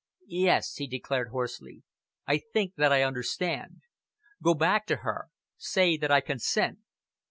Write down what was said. "Yes!" he declared hoarsely, "I think that I understand. Go back to her! Say that I consent.